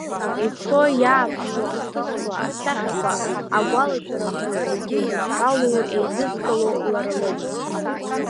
Ицо, иааԥшуа ахҭысқәа, асахьақәа, агәалашәарақәа зегьы зыдҳәалоу еидызкыло лара лоуп.